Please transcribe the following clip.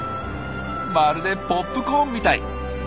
まるでポップコーンみたい。